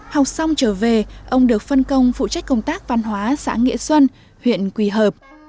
học xong trở về ông được phân công phụ trách công tác văn hóa xã nghĩa xuân huyện quỳ hợp